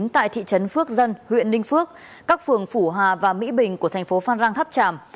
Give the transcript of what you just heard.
tại thị trấn phước dân huyện ninh phước các phường phủ hà và mỹ bình của thành phố phan rang tháp tràm